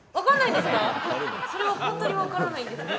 それはホントに分からないんですか？